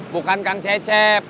bukan kang cecep